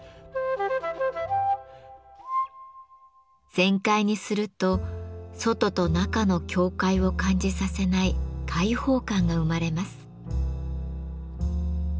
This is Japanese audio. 全開にすると外と中の境界を感じさせない開放感が生まれます。